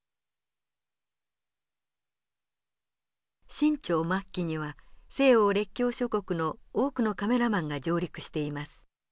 清朝末期には西欧列強諸国の多くのカメラマンが上陸しています。